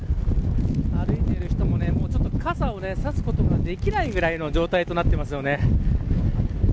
歩いている人も傘を差すことができないくらいの状態になっています。